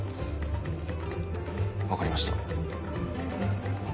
分かりました。